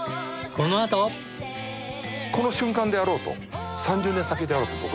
この瞬間であろうと３０年先であろうと僕は一緒です。